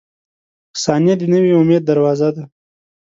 • ثانیه د نوي امید دروازه ده.